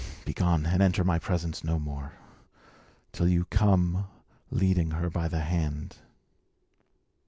Begone, and enter my presence no more, till you come leading her by the hand."